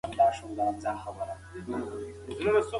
هغه هیڅکله خپله ورکړل شوې وعده نه بدلوي.